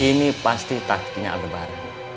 ini pasti takdirnya agobar